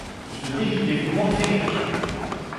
Je dérive et vous m'entraînez !